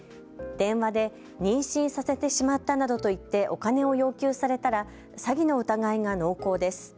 電話で妊娠させてしまったなどと言って、お金を要求されたら詐欺の疑いが濃厚です。